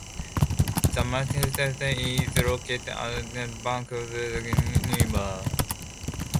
The municipality is located along the banks of the Veyron river.